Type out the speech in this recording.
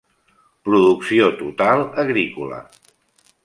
Producció total agrícola.